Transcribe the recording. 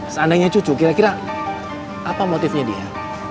seandainya cucu kira kira apa motifnya dia